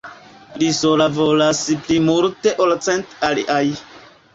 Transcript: Li sola valoras pli multe ol cent aliaj.